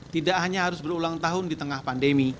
tidak hanya harus berulang tahun di tengah pandemi